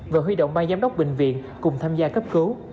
và huy động ban giám đốc bệnh viện cùng tham gia cấp cứu